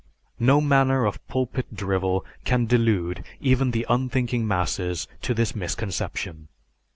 No manner of pulpit drivel can delude even the unthinking masses to this misconception.